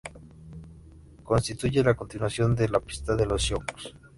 Constituye la continuación de "La pista de los Sioux".